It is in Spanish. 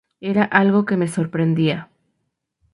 Era algo que me sorprendía.